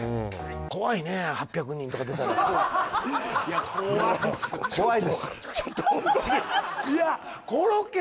怖いね８００人とか出たら怖い